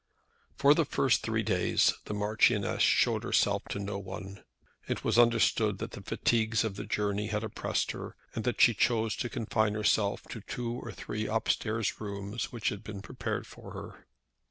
For the first three days the Marchioness showed herself to no one. It was understood that the fatigues of the journey had oppressed her, and that she chose to confine herself to two or three rooms upstairs, which had been prepared for her.